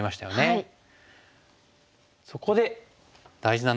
はい。